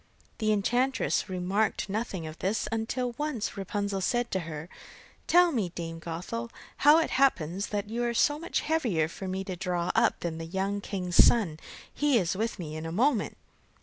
The enchantress remarked nothing of this, until once Rapunzel said to her: 'Tell me, Dame Gothel, how it happens that you are so much heavier for me to draw up than the young king's son he is with me in a moment.